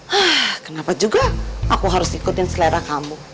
hah kenapa juga aku harus ikutin selera kamu